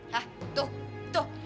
hah tuh tuh